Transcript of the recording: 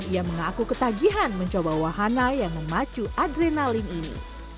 ia mengaku ketagihan mencoba wahana yang memacu adrenalin ini